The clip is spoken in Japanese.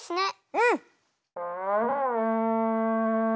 うん！